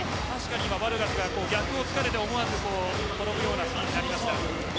バルガスが逆を突かれて思わず転ぶようなシーンがありました。